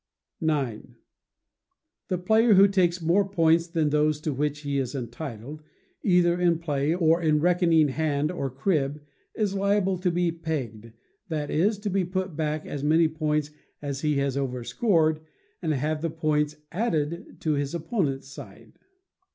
] ix. The player who takes more points than those to which he is entitled, either in play or in reckoning hand or crib, is liable to be "pegged;" that is, to be put back as many points as he has over scored, and have the points added to his opponent's side.